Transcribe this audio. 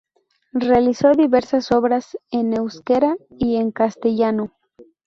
Realizó diversas obras en euskera y en castellano.